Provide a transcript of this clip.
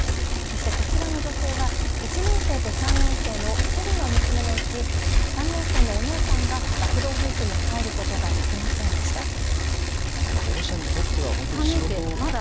そしてこちらの女性は１年生と３年生の２人の娘のうち３年生のお姉さんが学童保育に入ることができませんでした。